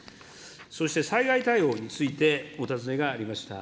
そして、災害対応について、お尋ねがありました。